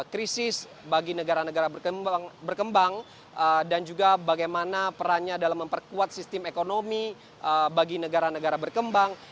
krisis bagi negara negara berkembang dan juga bagaimana perannya dalam memperkuat sistem ekonomi bagi negara negara berkembang